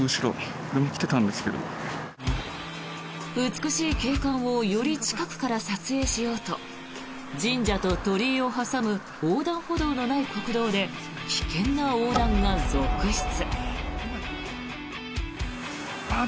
美しい景観をより近くから撮影しようと神社と鳥居を挟む横断歩道のない国道で危険な横断が続出。